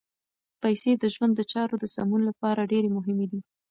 پیسې د ژوند د چارو د سمون لپاره ډېرې مهمې دي.